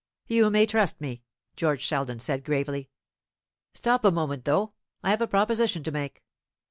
"You may trust me," George Sheldon said gravely. "Stop a moment, though; I have a proposition to make.